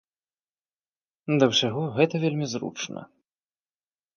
Да ўсяго, гэта вельмі зручна.